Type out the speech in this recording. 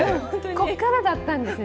ここからだったんですね。